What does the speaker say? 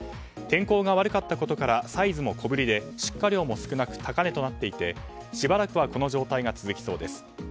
天候が悪かったことからサイズも小ぶりで出荷量も少なく高値となっていてしばらくはこの状態が続きそうです。